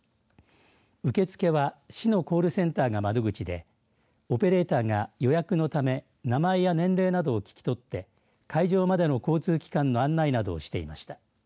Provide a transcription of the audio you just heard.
受け付けは市のコールセンターか窓口でオペレーターが予約のため名前や年齢などを聞き取って会場までの交通機関の案内などをしていました。